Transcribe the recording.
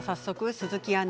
鈴木アナ